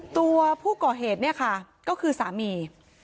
ตัวผู้ก่อเหตุคือสามี